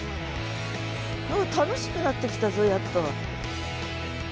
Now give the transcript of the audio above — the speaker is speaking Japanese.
楽しくなってきたぞやっと。